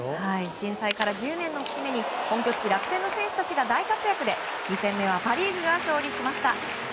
震災から１０年の節目に本拠地・楽天の選手たちが大活躍で２戦目はパ・リーグが勝利しました。